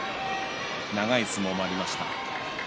長い相撲もありました。